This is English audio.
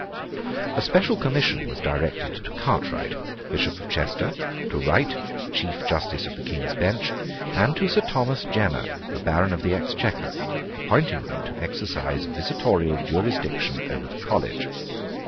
A special commission was directed to Cartwright, Bishop of Chester, to Wright, Chief justice of the King's Bench, and to Sir Thomas Jenner, a Baron of the Exchequer, appointing them to exercise visitatorial jurisdiction over the college.